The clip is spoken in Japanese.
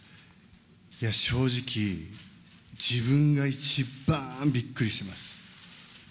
いや、正直自分が一番びっくりしてます。